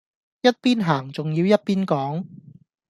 一邊行仲要一邊講